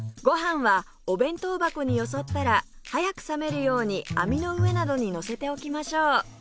ご飯はお弁当箱によそったら早く冷めるように網の上などにのせておきましょう